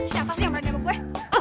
siapa sih yang berani nyambuk gue